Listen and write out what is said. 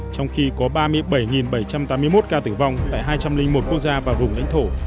trong khi có ba mươi bảy bảy trăm tám mươi một ca tử vong tại hai trăm linh một quốc gia và vùng lãnh thổ